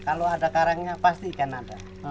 kalau ada karangnya pasti ikan ada